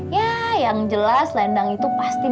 saya masih masih